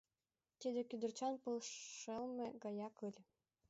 Тиде кӱдырчан пыл шелме гаяк ыле.